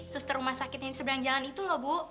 suster rumah sakit yang di seberang jalan itu loh bu